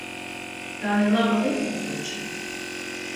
Tā ir laba lieta taču.